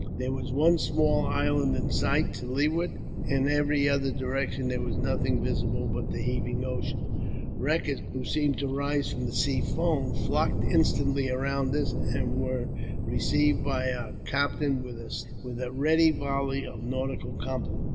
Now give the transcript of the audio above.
There was one small island in sight to leeward; in every other direction there was nothing visible but the heaving ocean. Wreckers, who seemed to rise from the sea foam, flocked instantly around us, and were received by our captain with a ready volley of nautical compliment.